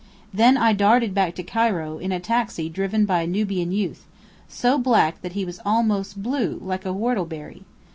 Then I darted back to Cairo, in a taxi driven by a Nubian youth, so black that he was almost blue, like a whortleberry.